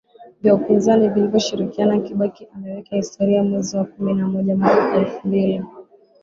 vya upinzani vilivyoshirikiana Kibaki ameweka historia mwezi wa kumi na moja mwaka elfu mbili